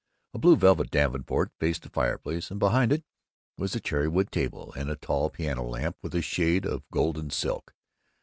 A blue velvet davenport faced the fireplace, and behind it was a cherrywood table and a tall piano lamp with a shade of golden silk.